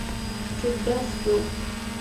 چې ډز سو.